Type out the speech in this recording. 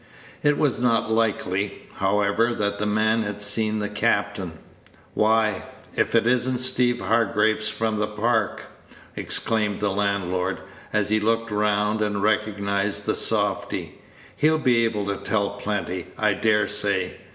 It was not likely, however, that the man had seen the captain. "Why, if it is n't Steeve Hargraves, from the Park!" exclaimed the landlord, as he looked round and recognized the softy; "he'll be able to tell plenty, I dare say.